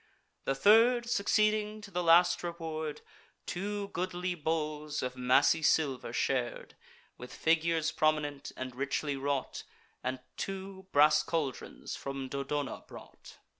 The third, succeeding to the last reward, Two goodly bowls of massy silver shar'd, With figures prominent, and richly wrought, And two brass caldrons from Dodona brought.